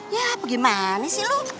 ya apa gimana sih lu